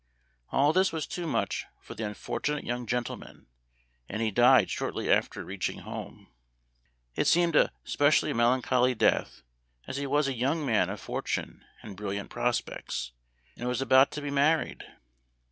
All this was too much for the unfortunate young gentleman, and he died shortly after reaching home. It seemed a spe Memoir of Washington Irving. 193 cially melancholy death, as he was a young man of fortune and brilliant prospects, and was about to be married.